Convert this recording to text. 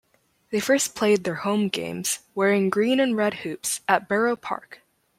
They first played their home games, wearing green and red hoops, at Borough Park.